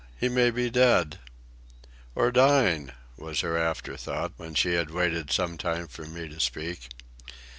He may be dead." "Or dying," was her afterthought when she had waited some time for me to speak.